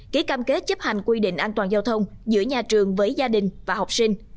ký cam kết chấp hành quy định an toàn giao thông giữa nhà trường với gia đình và học sinh